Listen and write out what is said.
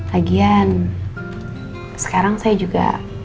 lagian sekarang saya juga